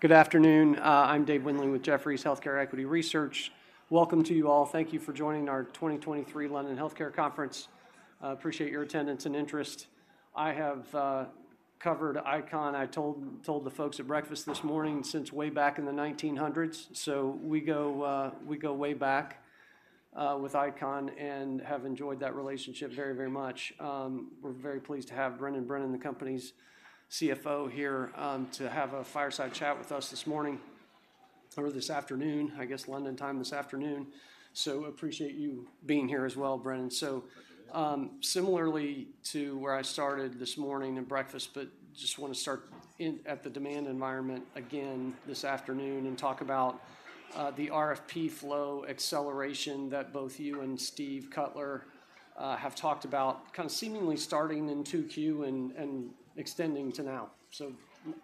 Good afternoon. I'm Dave Windley with Jefferies Healthcare Equity Research. Welcome to you all. Thank you for joining our 2023 London Healthcare Conference. Appreciate your attendance and interest. I have covered ICON. I told the folks at breakfast this morning, since way back in the nineteen hundreds. So we go way back with ICON and have enjoyed that relationship very, very much. We're very pleased to have Brendan Brennan, the company's CFO, here to have a fireside chat with us this morning or this afternoon, I guess London time this afternoon. So appreciate you being here as well, Brendan. Thank you, Dave. So, similarly to where I started this morning in breakfast, but just wanna start at the demand environment again this afternoon and talk about the RFP flow acceleration that both you and Steve Cutler have talked about, kind of seemingly starting in 2Q and extending to now. So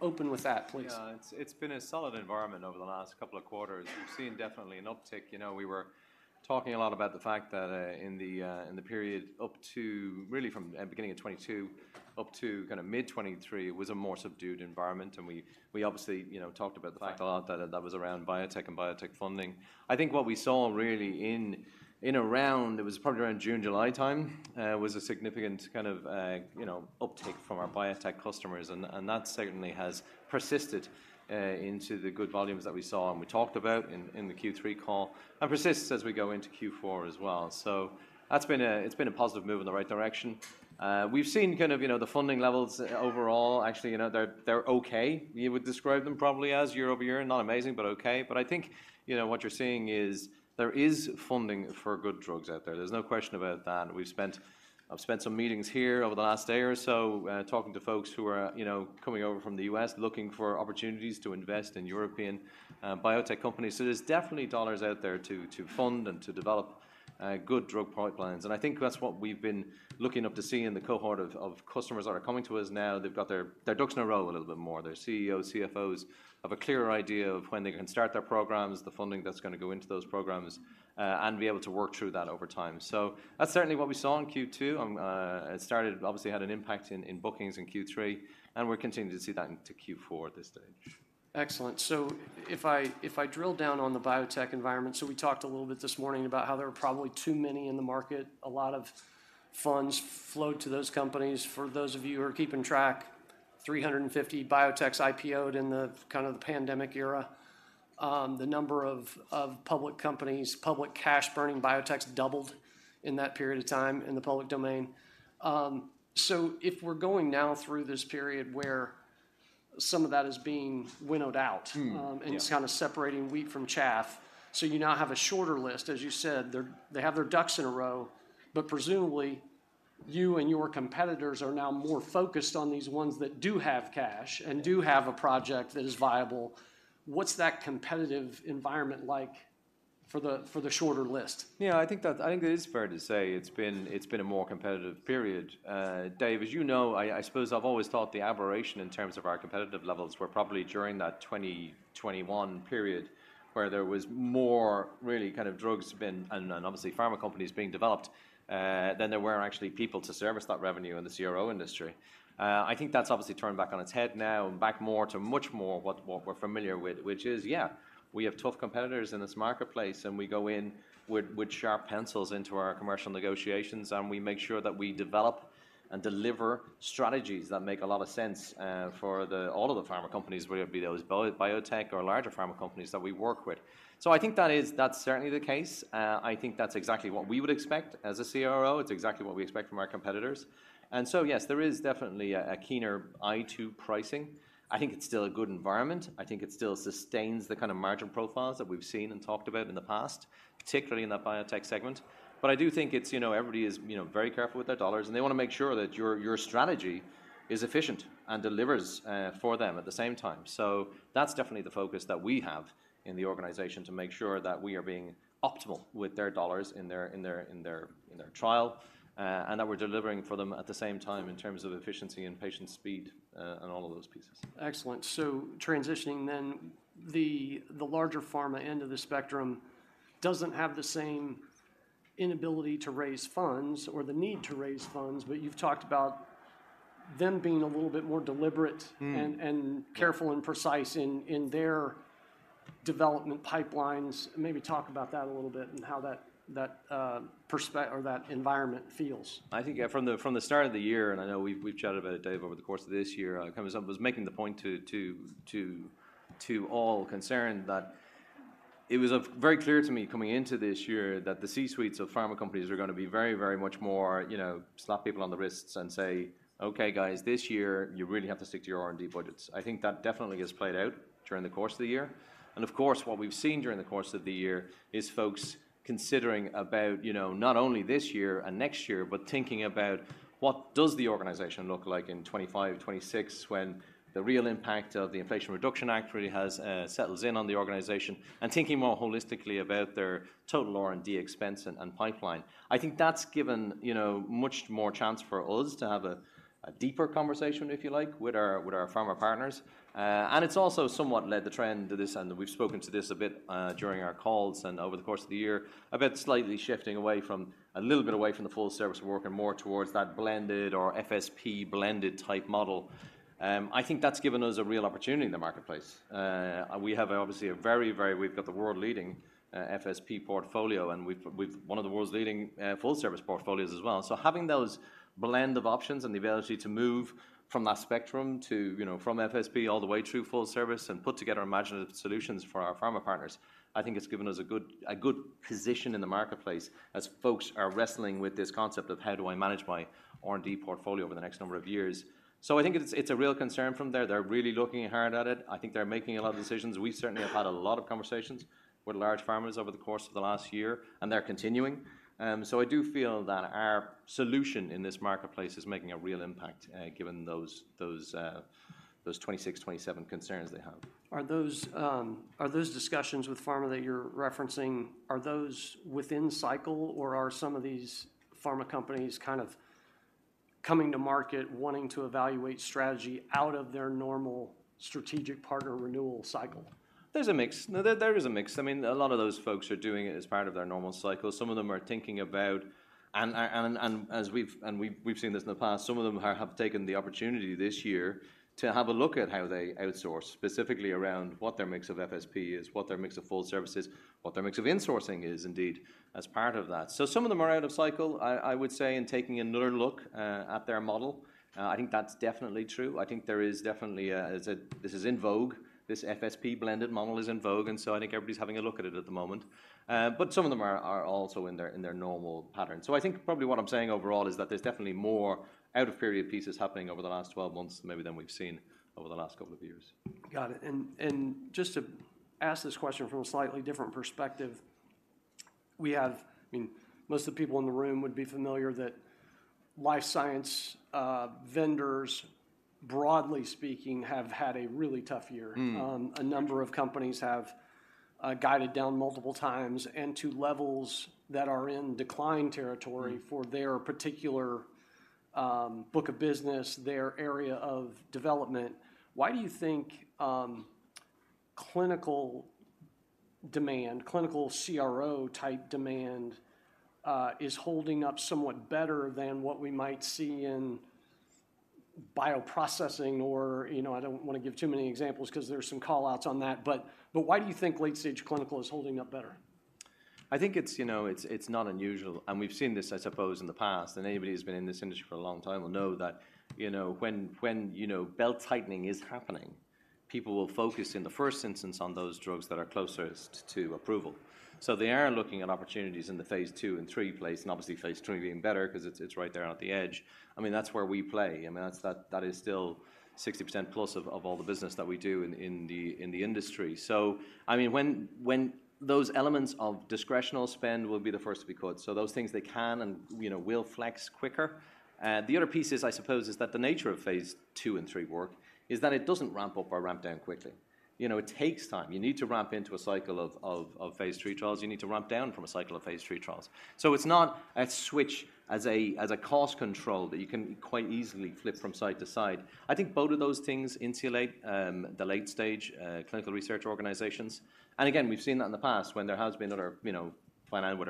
open with that, please. Yeah. It's been a solid environment over the last couple of quarters. We've seen definitely an uptick. You know, we were talking a lot about the fact that in the period up to - really from the beginning of 2022 up to kinda mid 2023, it was a more subdued environment, and we obviously, you know, talked about the fact a lot that that was around biotech and biotech funding. I think what we saw really in around, it was probably around June, July time, was a significant kind of, you know, uptick from our biotech customers, and that certainly has persisted into the good volumes that we saw and we talked about in the Q3 call and persists as we go into Q4 as well. So that's been a positive move in the right direction. We've seen kind of, you know, the funding levels overall. Actually, you know, they're, they're okay. You would describe them probably as year-over-year, not amazing, but okay. But I think, you know, what you're seeing is there is funding for good drugs out there. There's no question about that. I've spent some meetings here over the last day or so, talking to folks who are, you know, coming over from the U.S., looking for opportunities to invest in European biotech companies. So there's definitely dollars out there to fund and to develop good drug pipelines, and I think that's what we've been looking up to see in the cohort of customers that are coming to us now. They've got their ducks in a row a little bit more. Their CEOs, CFOs have a clearer idea of when they can start their programs, the funding that's gonna go into those programs, and be able to work through that over time. So that's certainly what we saw in Q2. It started obviously had an impact in bookings in Q3, and we're continuing to see that into Q4 at this stage. Excellent. So if I drill down on the biotech environment, so we talked a little bit this morning about how there are probably too many in the market. A lot of funds flow to those companies. For those of you who are keeping track, 350 biotechs IPO'd in the kind of the pandemic era. The number of public companies, public cash-burning biotechs doubled in that period of time in the public domain. So if we're going now through this period where some of that is being winnowed out- Hmm. Yeah. and it's kind of separating wheat from chaff, so you now have a shorter list. As you said, they have their ducks in a row, but presumably, you and your competitors are now more focused on these ones that do have cash and do have a project that is viable. What's that competitive environment like for the shorter list? Yeah, I think that, I think it is fair to say it's been, it's been a more competitive period. Dave, as you know, I, I suppose I've always thought the aberration in terms of our competitive levels were probably during that 2021 period, where there was more really kind of drugs being... and, and obviously pharma companies being developed, than there were actually people to service that revenue in the CRO industry. I think that's obviously turned back on its head now and back more to much more what, what we're familiar with, which is, yeah, we have tough competitors in this marketplace, and we go in with, with sharp pencils into our commercial negotiations, and we make sure that we develop and deliver strategies that make a lot of sense, for the all of the pharma companies, whether it be those biotech or larger pharma companies that we work with. So I think that is, that's certainly the case. I think that's exactly what we would expect as a CRO. It's exactly what we expect from our competitors. And so, yes, there is definitely a keener eye to pricing. I think it's still a good environment. I think it still sustains the kind of margin profiles that we've seen and talked about in the past, particularly in that biotech segment. But I do think it's, you know, everybody is, you know, very careful with their dollars, and they wanna make sure that your strategy is efficient and delivers for them at the same time. So that's definitely the focus that we have in the organization, to make sure that we are being optimal with their dollars in their trial, and that we're delivering for them at the same time in terms of efficiency and patient speed, and all of those pieces. Excellent. So transitioning then, the larger pharma end of the spectrum doesn't have the same inability to raise funds or the need to raise funds, but you've talked about them being a little bit more deliberate- Hmm. careful and precise in their development pipelines. Maybe talk about that a little bit and how that or that environment feels. I think yeah, from the start of the year, and I know we've chatted about it, Dave, over the course of this year, coming up was making the point to all concerned that it was very clear to me coming into this year that the C-suites of pharma companies are gonna be very, very much more, you know, slap people on the wrists and say, "Okay, guys, this year, you really have to stick to your R&D budgets." I think that definitely has played out during the course of the year. Of course, what we've seen during the course of the year is folks considering about, you know, not only this year and next year, but thinking about what does the organization look like in 2025, 2026 when the real impact of the Inflation Reduction Act really has settles in on the organization, and thinking more holistically about their total R&D expense and, and pipeline. I think that's given, you know, much more chance for us to have a deeper conversation, if you like, with our pharma partners. And it's also somewhat led the trend to this, and we've spoken to this a bit during our calls and over the course of the year, about slightly shifting away from a little bit away from the full service work and more towards that blended or FSP blended type model. I think that's given us a real opportunity in the marketplace. We have obviously a very, very strong—we've got the world-leading FSP portfolio, and we've won one of the world's leading full service portfolios as well. So having those blend of options and the ability to move from that spectrum to, you know, from FSP all the way through full service and put together imaginative solutions for our pharma partners, I think it's given us a good, a good position in the marketplace as folks are wrestling with this concept of: How do I manage my R&D portfolio over the next number of years? So I think it's, it's a real concern from there. They're really looking hard at it. I think they're making a lot of decisions. We certainly have had a lot of conversations with large pharmas over the course of the last year, and they're continuing. So I do feel that our solution in this marketplace is making a real impact, given those 26, 27 concerns they have. Are those, are those discussions with pharma that you're referencing, are those within cycle, or are some of these pharma companies kind of coming to market, wanting to evaluate strategy out of their normal strategic partner renewal cycle? There's a mix. No, there is a mix. I mean, a lot of those folks are doing it as part of their normal cycle. Some of them are thinking about and as we've seen this in the past, some of them have taken the opportunity this year to have a look at how they outsource, specifically around what their mix of FSP is, what their mix of full service is, what their mix of insourcing is indeed, as part of that. So some of them are out of cycle, I would say, and taking another look at their model. I think that's definitely true. I think there is definitely this is in vogue. This FSP blended model is in vogue, and so I think everybody's having a look at it at the moment. But some of them are also in their normal pattern. So I think probably what I'm saying overall is that there's definitely more out-of-period pieces happening over the last 12 months maybe than we've seen over the last couple of years. Got it. And just to ask this question from a slightly different perspective, we have, I mean, most of the people in the room would be familiar that life science vendors, broadly speaking, have had a really tough year. Mm. A number of companies have guided down multiple times and to levels that are in decline territory- Mm. -for their particular, book of business, their area of development. Why do you think, clinical demand, clinical CRO-type demand, is holding up somewhat better than what we might see in bioprocessing or... You know, I don't want to give too many examples 'cause there are some call-outs on that, but, but why do you think late-stage clinical is holding up better? I think it's, you know, not unusual, and we've seen this, I suppose, in the past, and anybody who's been in this industry for a long time will know that, you know, when belt-tightening is happening, people will focus in the first instance on those drugs that are closest to approval. So they are looking at opportunities in the Phase II and III space, and obviously Phase III being better 'cause it's right there on the edge. I mean, that's where we play. I mean, that is still 60% plus of all the business that we do in the industry. So I mean, when those elements of discretionary spend will be the first to be cut, so those things they can and, you know, will flex quicker. The other piece is, I suppose, is that the nature of Phase II and III work is that it doesn't ramp up or ramp down quickly. You know, it takes time. You need to ramp into a cycle of Phase III trials. You need to ramp down from a cycle of Phase III trials. So it's not a switch as a cost control that you can quite easily flip from side to side. I think both of those things insulate the late-stage clinical research organizations. And again, we've seen that in the past when there has been another, you know, whatever,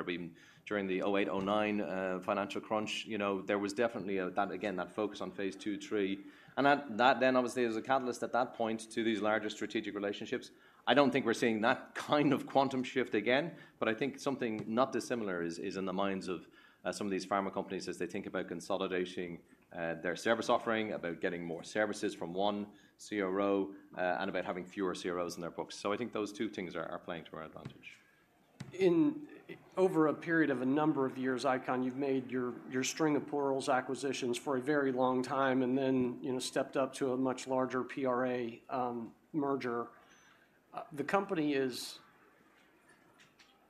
during the 2008, 2009 financial crunch. You know, there was definitely that again, that focus on Phase II, III. And that then obviously is a catalyst at that point to these larger strategic relationships. I don't think we're seeing that kind of quantum shift again, but I think something not dissimilar is in the minds of some of these pharma companies as they think about consolidating their service offering, about getting more services from one CRO, and about having fewer CROs in their books. So I think those two things are playing to our advantage. Over a period of a number of years, ICON, you've made your, your string of pearls acquisitions for a very long time and then, you know, stepped up to a much larger PRA merger. The company is,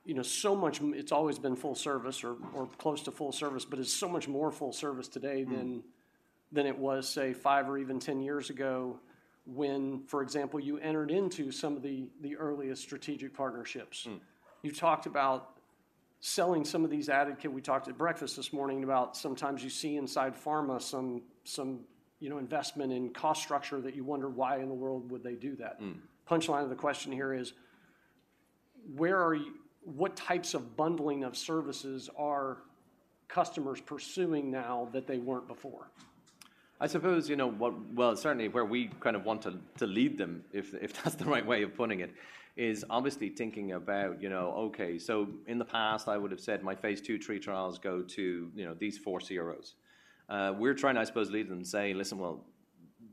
you know, so much—it's always been full service or, or close to full service, but it's so much more full service today- Mm... than it was, say, 5 or even 10 years ago, when, for example, you entered into some of the earliest strategic partnerships. Mm. You talked about selling some of these added. We talked at breakfast this morning about sometimes you see inside pharma, some, you know, investment in cost structure that you wonder, "Why in the world would they do that? Mm. Punchline of the question here is: where are you, what types of bundling of services are customers pursuing now that they weren't before? I suppose, you know, well, certainly where we kind of want to lead them, if that's the right way of putting it, is obviously thinking about, you know, okay, so in the past, I would have said my phase II, III trials go to, you know, these four CROs. We're trying to, I suppose, lead them and say, "Listen, well,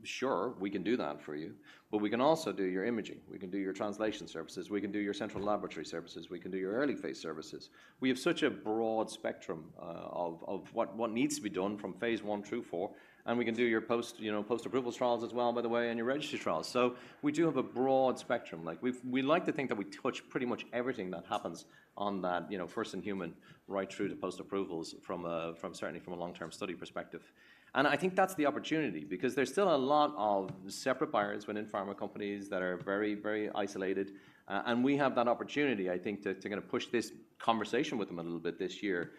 sure, we can do that for you, but we can also do your imaging. We can do your translation services. We can do your central laboratory services. We can do your early phase services." We have such a broad spectrum, of what needs to be done from phase I through IV, and we can do your you know, post-approval trials as well, by the way, and your registry trials. So we do have a broad spectrum. Like, we like to think that we touch pretty much everything that happens on that, you know, first in human, right through to post-approvals from a, from certainly from a long-term study perspective. And I think that's the opportunity because there's still a lot of separate buyers within pharma companies that are very, very isolated, and we have that opportunity, I think, to, to kind of push this conversation with them a little bit this year.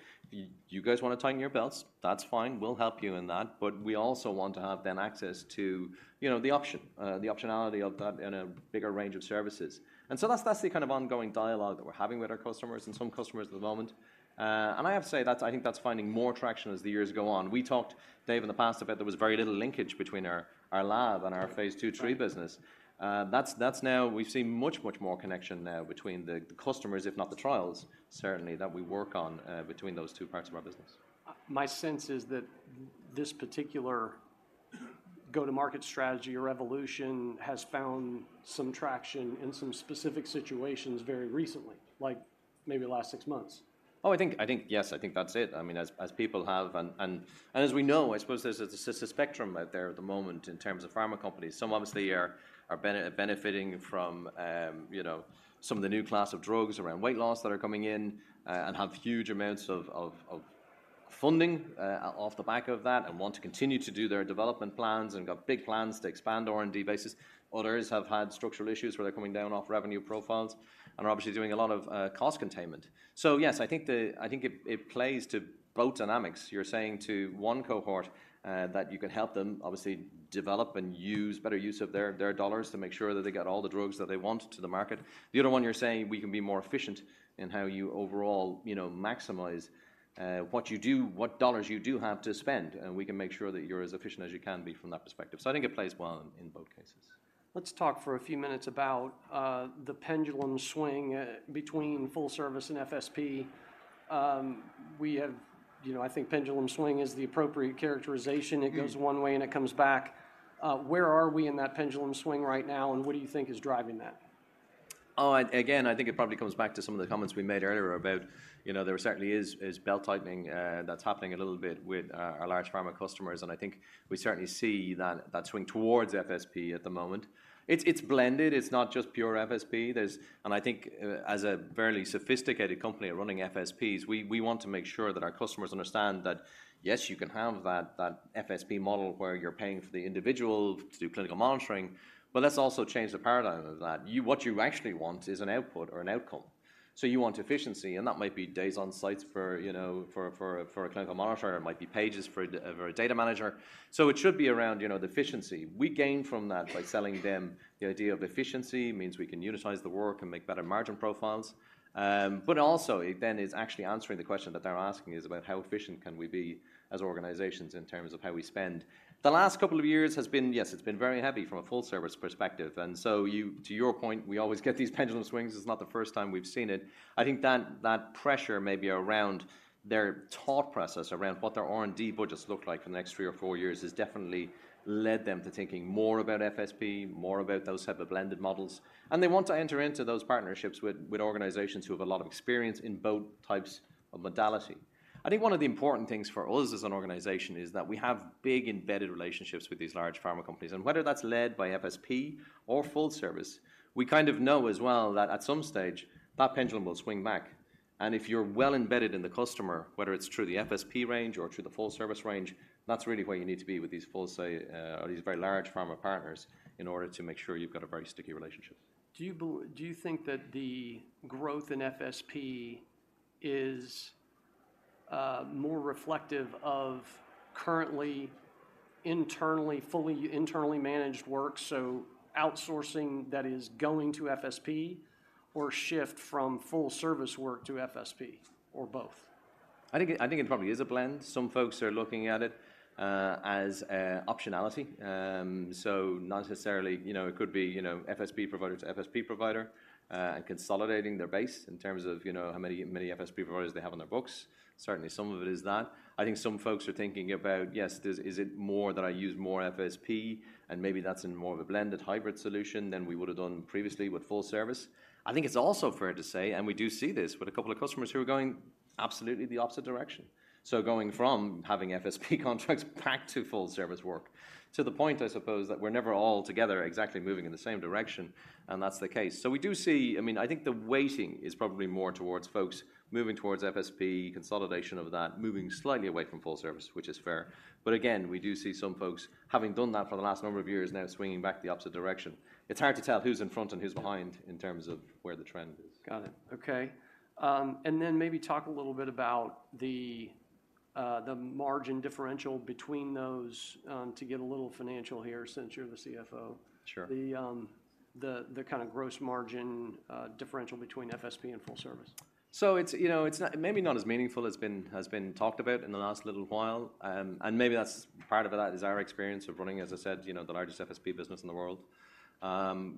"You guys wanna tighten your belts? That's fine. We'll help you in that, but we also want to have then access to, you know, the option, the optionality of that in a bigger range of services." And so that's, that's the kind of ongoing dialogue that we're having with our customers and some customers at the moment. And I have to say, that's—I think that's finding more traction as the years go on. We talked, Dave, in the past about there was very little linkage between our lab and our phase II, III business. That's now. We've seen much, much more connection now between the customers, if not the trials, certainly, that we work on, between those two parts of our business. My sense is that this particular go-to-market strategy or evolution has found some traction in some specific situations very recently, like maybe the last six months. Oh, I think, yes, I think that's it. I mean, as people have, and as we know, I suppose there's just a spectrum out there at the moment in terms of pharma companies. Some obviously are benefiting from, you know, some of the new class of drugs around weight loss that are coming in, and have huge amounts of funding off the back of that, and want to continue to do their development plans, and got big plans to expand R&D bases. Others have had structural issues where they're coming down off revenue profiles and are obviously doing a lot of cost containment. So yes, I think it plays to both dynamics. You're saying to one cohort that you can help them obviously develop and use better use of their dollars to make sure that they get all the drugs that they want to the market. The other one, you're saying, we can be more efficient in how you overall, you know, maximize what you do, what dollars you do have to spend, and we can make sure that you're as efficient as you can be from that perspective. So I think it plays well in both cases. Let's talk for a few minutes about the pendulum swing between full service and FSP. You know, I think pendulum swing is the appropriate characterization. Mm-hmm. It goes one way, and it comes back. Where are we in that pendulum swing right now, and what do you think is driving that? Oh, again, I think it probably comes back to some of the comments we made earlier about, you know, there certainly is belt-tightening that's happening a little bit with our large pharma customers, and I think we certainly see that swing towards FSP at the moment. It's blended. It's not just pure FSP. And I think, as a fairly sophisticated company running FSPs, we want to make sure that our customers understand that, yes, you can have that FSP model where you're paying for the individual to do clinical monitoring, but let's also change the paradigm of that. What you actually want is an output or an outcome. So you want efficiency, and that might be days on sites for, you know, a clinical monitor, or it might be pages for a data manager. So it should be around, you know, the efficiency. We gain from that by selling them the idea of efficiency, means we can utilize the work and make better margin profiles. But also, it then is actually answering the question that they're asking is about how efficient can we be as organizations in terms of how we spend. The last couple of years has been, yes, it's been very heavy from a full service perspective, and so to your point, we always get these pendulum swings. It's not the first time we've seen it. I think that, that pressure may be around their thought process, around what their R&D budgets look like for the next three or four years, has definitely led them to thinking more about FSP, more about those type of blended models. They want to enter into those partnerships with, with organizations who have a lot of experience in both types of modality. I think one of the important things for us as an organization is that we have big embedded relationships with these large pharma companies, and whether that's led by FSP or full service, we kind of know as well that at some stage, that pendulum will swing back. If you're well embedded in the customer, whether it's through the FSP range or through the full-service range, that's really where you need to be with these full, say, or these very large pharma partners in order to make sure you've got a very sticky relationship. Do you think that the growth in FSP is more reflective of currently internally, fully internally managed work, so outsourcing that is going to FSP or shift from full-service work to FSP, or both? I think it probably is a blend. Some folks are looking at it as optionality. So not necessarily. You know, it could be FSP provider to FSP provider and consolidating their base in terms of how many FSP providers they have on their books. Certainly, some of it is that. I think some folks are thinking about, yes, is it more that I use more FSP, and maybe that's in more of a blended hybrid solution than we would have done previously with full service? I think it's also fair to say, and we do see this with a couple of customers who are going absolutely the opposite direction. So going from having FSP contracts back to full-service work. To the point, I suppose, that we're never all together exactly moving in the same direction, and that's the case. So we do see, I mean, I think the weighting is probably more towards folks moving towards FSP, consolidation of that, moving slightly away from full service, which is fair. But again, we do see some folks having done that for the last number of years now swinging back the opposite direction. It's hard to tell who's in front and who's behind in terms of where the trend is. Got it. Okay. And then maybe talk a little bit about the, the margin differential between those, to get a little financial here since you're the CFO. Sure. The kind of gross margin differential between FSP and full service. So it's, you know, it's not maybe not as meaningful as has been talked about in the last little while. And maybe that's part of that is our experience of running, as I said, you know, the largest FSP business in the world.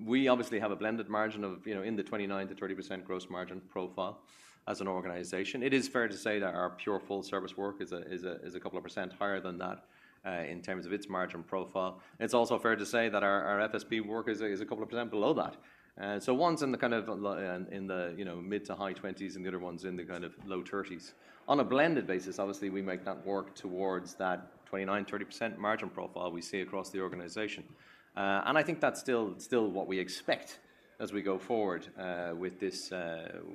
We obviously have a blended margin of, you know, in the 29%-30% gross margin profile as an organization. It is fair to say that our pure full-service work is a couple of percent higher than that, in terms of its margin profile. It's also fair to say that our FSP work is a couple of percent below that. So one's in the kind of, you know, mid- to high 20s, and the other one's in the kind of low 30s. On a blended basis, obviously, we make that work towards that 29, 30% margin profile we see across the organization. And I think that's still, still what we expect as we go forward, with this,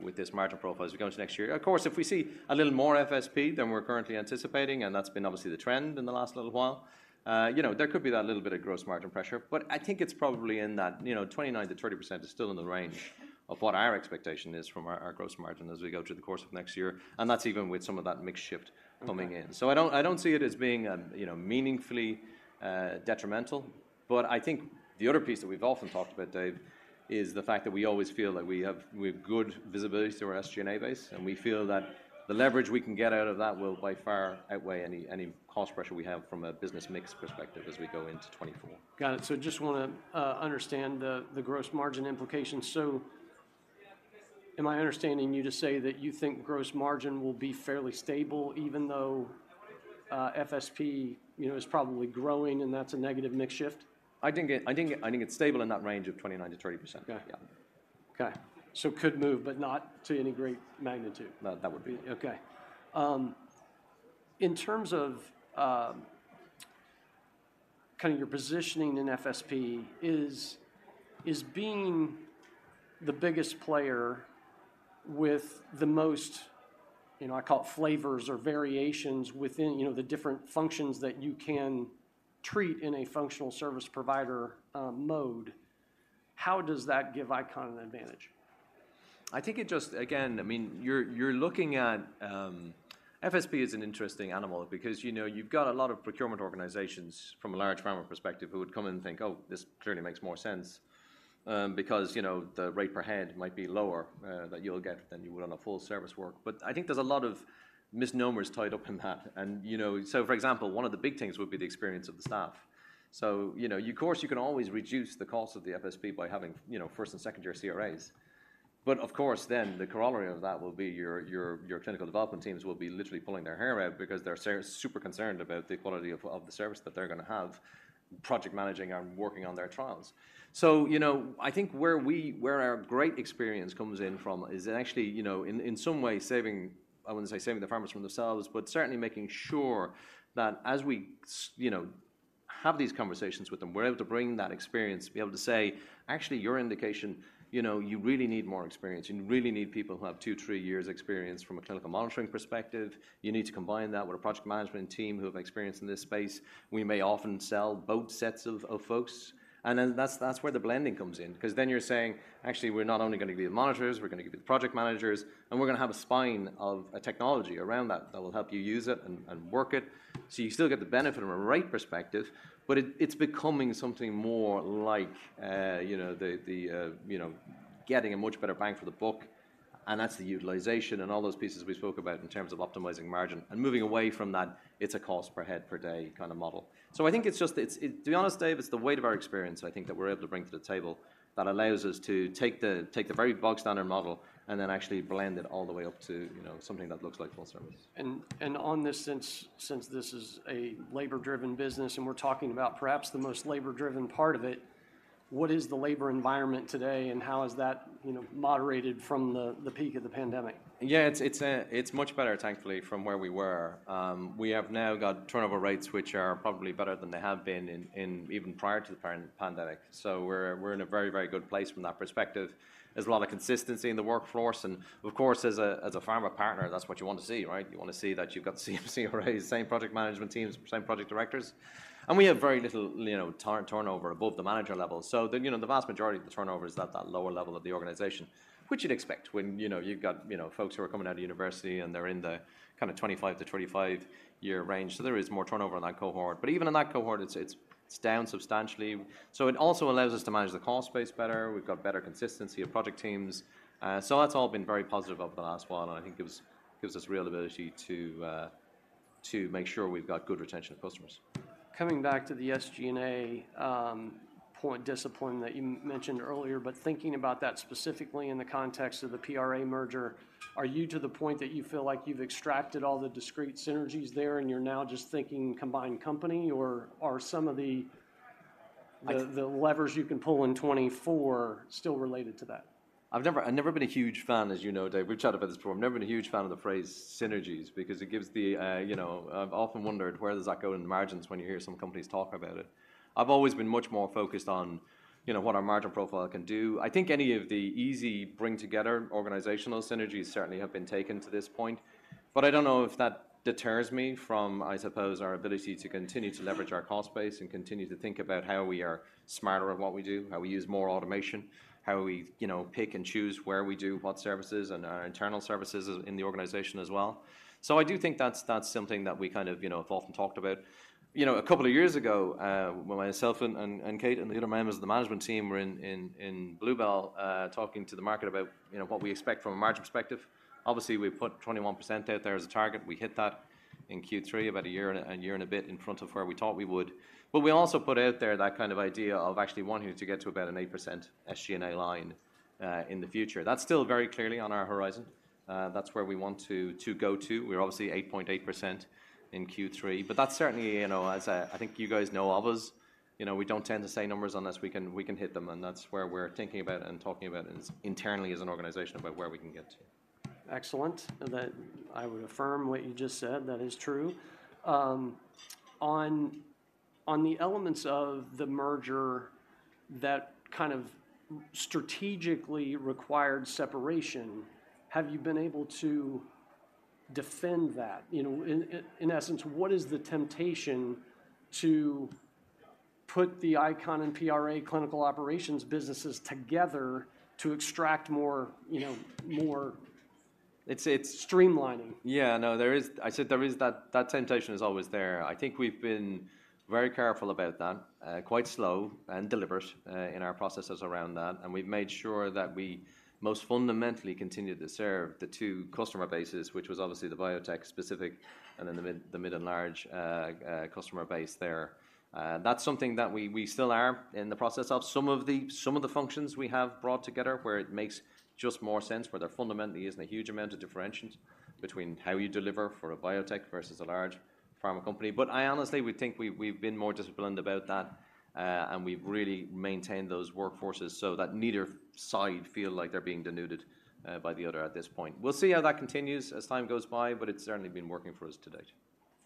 with this margin profile as we go into next year. Of course, if we see a little more FSP than we're currently anticipating, and that's been obviously the trend in the last little while, you know, there could be that little bit of gross margin pressure. But I think it's probably in that, you know, 29%-30% is still in the range of what our expectation is from our, our gross margin as we go through the course of next year, and that's even with some of that mix shift coming in. Okay. So I don't see it as being, you know, meaningfully detrimental, but I think the other piece that we've often talked about, Dave, is the fact that we always feel that we have good visibility to our SG&A base, and we feel that the leverage we can get out of that will by far outweigh any cost pressure we have from a business mix perspective as we go into 2024. Got it. So just wanna understand the gross margin implications. So am I understanding you to say that you think gross margin will be fairly stable, even though FSP, you know, is probably growing, and that's a negative mix shift? I think it's stable in that range of 29%-30%. Okay. Yeah. Okay. So could move, but not to any great magnitude? That would be... Okay. In terms of kind of your positioning in FSP is, is being the biggest player with the most, you know, I call it flavors or variations within, you know, the different functions that you can treat in a functional service provider mode. How does that give ICON an advantage? I think it just, again, I mean, you're looking at FSP is an interesting animal because, you know, you've got a lot of procurement organizations from a large pharma perspective who would come in and think, "Oh, this clearly makes more sense," because, you know, the rate per head might be lower that you'll get than you would on a full service work. But I think there's a lot of misnomers tied up in that. And, you know, so for example, one of the big things would be the experience of the staff. So, you know, of course, you can always reduce the cost of the FSP by having, you know, first and second-year CRAs. But of course, then the corollary of that will be your clinical development teams will be literally pulling their hair out because they're super concerned about the quality of the service that they're gonna have, project managing and working on their trials. So, you know, I think where our great experience comes in from is actually, you know, in some ways saving, I wouldn't say saving the pharmas from themselves, but certainly making sure that as we you know, have these conversations with them, we're able to bring that experience, be able to say: "Actually, your indication, you know, you really need more experience. You really need people who have two, three years experience from a clinical monitoring perspective. You need to combine that with a project management team who have experience in this space." We may often sell both sets of folks, and then that's where the blending comes in. Because then you're saying: "Actually, we're not only gonna be the monitors, we're gonna be the project managers, and we're gonna have a spine of a technology around that, that will help you use it and work it." So you still get the benefit from a rate perspective, but it's becoming something more like, you know, getting a much better bang for the buck, and that's the utilization and all those pieces we spoke about in terms of optimizing margin and moving away from that, it's a cost per head per day kind of model. So I think it's just, to be honest, Dave, it's the weight of our experience, I think, that we're able to bring to the table that allows us to take the very bog standard model and then actually blend it all the way up to, you know, something that looks like full service. On this, since this is a labor-driven business, and we're talking about perhaps the most labor-driven part of it, what is the labor environment today, and how has that, you know, moderated from the peak of the pandemic? Yeah, it's much better, thankfully, from where we were. We have now got turnover rates, which are probably better than they have been in even prior to the pandemic. So we're in a very good place from that perspective. There's a lot of consistency in the workforce, and of course, as a pharma partner, that's what you want to see, right? You want to see that you've got the same CRAs, same project management teams, same project directors. And we have very little, you know, turnover above the manager level. So you know, the vast majority of the turnover is at that lower level of the organization, which you'd expect when, you know, you've got, you know, folks who are coming out of university, and they're in the kind of 25-35-year range. So there is more turnover in that cohort. But even in that cohort, it's down substantially. So it also allows us to manage the cost base better. We've got better consistency of project teams. So that's all been very positive over the last while, and I think gives us real ability to make sure we've got good retention of customers. Coming back to the SG&A point discipline that you mentioned earlier, but thinking about that specifically in the context of the PRA merger, are you to the point that you feel like you've extracted all the discrete synergies there, and you're now just thinking combined company, or are some of the- I-... the levers you can pull in 2024 still related to that? I've never, I've never been a huge fan, as you know, Dave, we've chatted about this before. I've never been a huge fan of the phrase "synergies" because it gives the, you know, I've often wondered, where does that go in the margins when you hear some companies talk about it? I've always been much more focused on, you know, what our margin profile can do. I think any of the easy bring-together organizational synergies certainly have been taken to this point. But I don't know if that deters me from, I suppose, our ability to continue to leverage our cost base and continue to think about how we are smarter at what we do, how we use more automation, how we, you know, pick and choose where we do what services and our internal services in the organization as well. So I do think that's, that's something that we kind of, you know, have often talked about. You know, a couple of years ago, when myself and, and, and Kate and the other members of the management team were in, in, in Blue Bell, talking to the market about, you know, what we expect from a margin perspective, obviously, we put 21% out there as a target. We hit that in Q3, about a year and, and a year and a bit in front of where we thought we would. But we also put out there that kind of idea of actually wanting to get to about an 8% SG&A line, in the future. That's still very clearly on our horizon. That's where we want to, to go to. We're obviously 8.8% in Q3, but that's certainly, you know, as, I think you guys know of us, you know, we don't tend to say numbers unless we can, we can hit them, and that's where we're thinking about and talking about it internally as an organization about where we can get to. Excellent. That—I would affirm what you just said. That is true. On the elements of the merger that kind of strategically required separation, have you been able to defend that? You know, in essence, what is the temptation to put the ICON and PRA clinical operations businesses together to extract more, you know, more... It's streamlining. Yeah, no, there is—I said there is that, that temptation is always there. I think we've been very careful about that, quite slow and deliberate in our processes around that, and we've made sure that we most fundamentally continue to serve the two customer bases, which was obviously the biotech specific and then the mid, the mid and large customer base there. That's something that we, we still are in the process of. Some of the, some of the functions we have brought together, where it makes just more sense, where there fundamentally isn't a huge amount of differentiation between how you deliver for a biotech versus a large pharma company. But I honestly, we think we, we've been more disciplined about that, and we've really maintained those workforces so that neither side feel like they're being denuded by the other at this point. We'll see how that continues as time goes by, but it's certainly been working for us to date.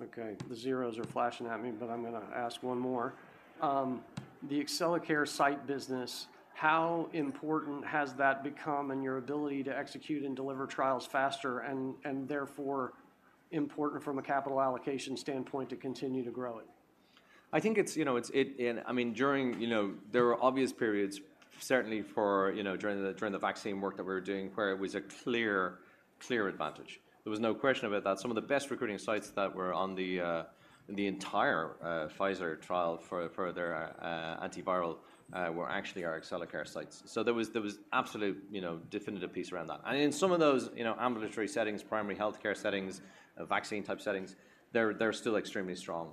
Okay. The zeros are flashing at me, but I'm gonna ask one more. The Accellacare site business, how important has that become in your ability to execute and deliver trials faster and therefore important from a capital allocation standpoint to continue to grow it? I think it's, you know, it. And I mean, during, you know, there were obvious periods, certainly for, you know, during the vaccine work that we were doing, where it was a clear advantage. There was no question about that. Some of the best recruiting sites that were on the entire Pfizer trial for their antiviral were actually our Accellacare sites. So there was absolute, you know, definitive piece around that. And in some of those, you know, ambulatory settings, primary healthcare settings, vaccine-type settings, they're still extremely strong.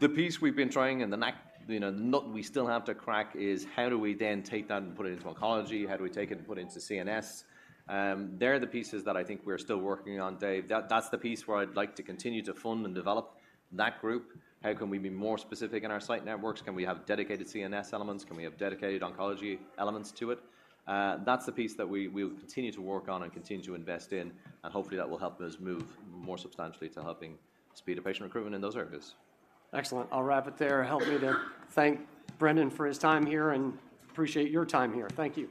The piece we've been trying and the nut we still have to crack is: How do we then take that and put it into oncology? How do we take it and put it into CNS? They're the pieces that I think we're still working on, Dave. That, that's the piece where I'd like to continue to fund and develop that group. How can we be more specific in our site networks? Can we have dedicated CNS elements? Can we have dedicated Oncology elements to it? That's the piece that we, we'll continue to work on and continue to invest in, and hopefully, that will help us move more substantially to helping speed up patient recruitment in those areas. Excellent. I'll wrap it there. Help me to thank Brendan for his time here and appreciate your time here. Thank you.